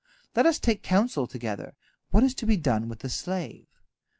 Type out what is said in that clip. Let us take counsel together, what is to be done with the slave."